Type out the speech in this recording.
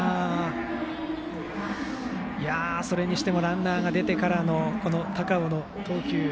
それにしてもランナーが出てからの高尾の投球。